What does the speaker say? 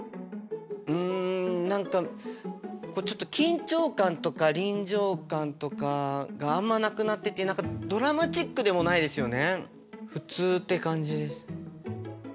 うん何かこうちょっと緊張感とか臨場感とかがあんまなくなってて何かドラマチックでもないですよね。普通って感じです。